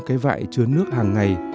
cái vại chứa nước hàng ngày